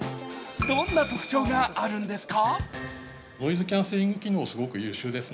どんな特徴があるんですか？